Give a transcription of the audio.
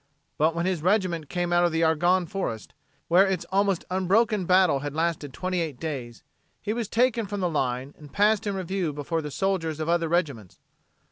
But when his regiment came out of the Argonne Forest, where its almost unbroken battle had lasted twenty eight days, he was taken from the line and passed in review before the soldiers of other regiments.